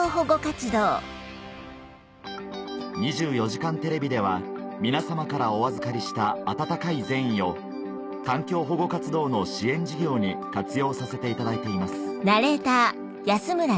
『２４時間テレビ』では皆様からお預かりした温かい善意を環境保護活動の支援事業に活用させていただいています